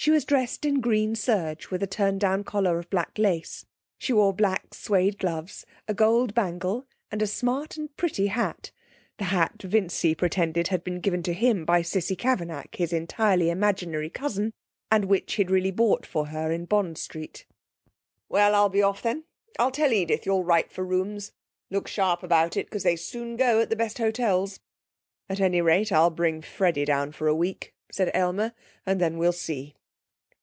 She was dressed in green serge, with a turned down collar of black lace. She wore black suède gloves, a gold bangle and a smart and pretty hat, the hat Vincy pretended had been given to him by Cissie Cavanack, his entirely imaginary cousin, and which he'd really bought for her in Bond Street. 'Well, I'll be off then. I'll tell Edith you'll write for rooms. Look sharp about it, because they soon go at the best hotels.' 'At any rate I'll bring Freddie down for a week,' said Aylmer, 'and then we'll see.'